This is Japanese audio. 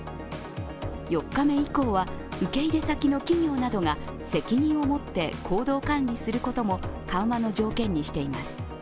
４日目以降は受け入れ先の企業などが責任を持って行動管理することも緩和の条件にしています。